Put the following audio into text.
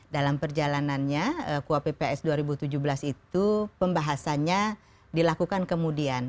dalam perjalanannya kuapps dua ribu tujuh belas itu pembahasannya dilakukan kemudian